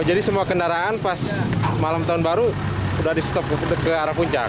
oh jadi semua kendaraan pas malam tahun baru sudah ditutup ke arah puncak